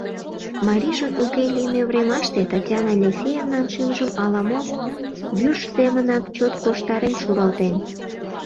Марийжын уке лийме времаште Татьяна Алексеевнан шӱмжым ала-мо вӱрж семынак чот корштарен шуралтен.